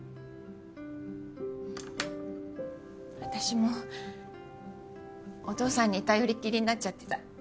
私もお父さんに頼りっきりになっちゃってた。